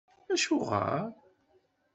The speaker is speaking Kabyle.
AcuƔer?